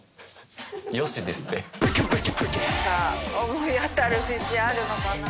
思い当たる節あるのかな？